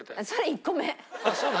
１個目。